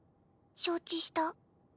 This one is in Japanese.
承知した。